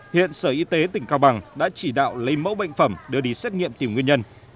hiện sở y tế tỉnh cao bằng đã chỉ đạo lấy mẫu bệnh phẩm đưa đi xét nghiệm tìm nguyên nhân